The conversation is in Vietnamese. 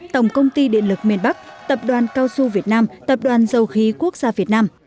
tổng công ty điện lực miền bắc tập đoàn cao su việt nam tập đoàn dầu khí quốc gia việt nam